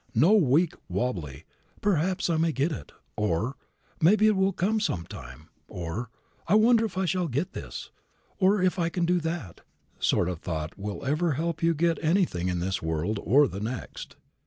No weak, wobbly "Perhaps I may get it," or "Maybe it will come some time," or "I wonder if I shall get this," or "if I can do that" sort of thought will ever help you to get anything in this world or the next.